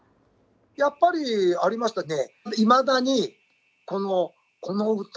やっぱりありましたね。